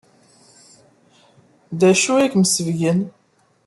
D acu ay kem-iceɣben?